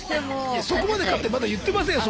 いやそこまでだってまだ言ってませんよ